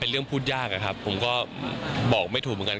เรื่องพูดยากอะครับผมก็บอกไม่ถูกเหมือนกัน